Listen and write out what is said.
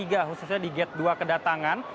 khususnya di gate dua kedatangan